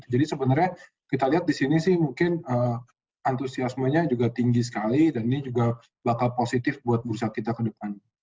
jadi sebenarnya kita lihat di sini sih mungkin antusiasmenya juga tinggi sekali dan ini juga bakal positif buat bursa kita ke depan